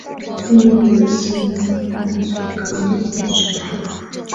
毕业于西安交通大学高电压专业。